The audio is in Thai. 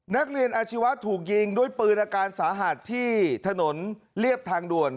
นักเรียนอาชีวะถูกยิงด้วยปืนอาการสาหัสที่ถนนเรียบทางด่วน